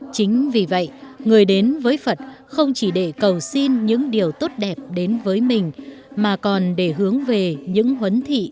chính vì vậy người đến với phật không chỉ để cầu xin những điều tốt đẹp đến với mình mà còn để hướng về những huấn thị